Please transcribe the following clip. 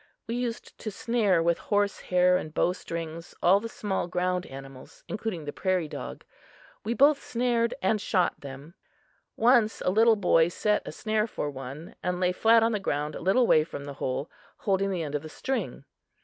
We used to snare with horse hair and bow strings all the small ground animals, including the prairie dog. We both snared and shot them. Once a little boy set a snare for one, and lay flat on the ground a little way from the hole, holding the end of the string.